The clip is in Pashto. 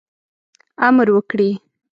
امر وکړي.